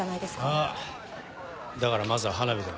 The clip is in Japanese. ああだからまずは花火だ。